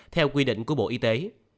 theo quy định của bộ y tế